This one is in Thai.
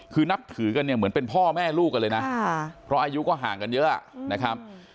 คือนับถือกันเนี่ยเหมือนเป็นพ่อแม่ลูกกันเลยนะเพราะอายุก็ห่างกันเยอะนะครับ